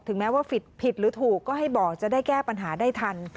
แม้ว่าผิดผิดหรือถูกก็ให้บอกจะได้แก้ปัญหาได้ทัน